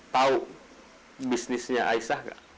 tau bisnisnya aisah gak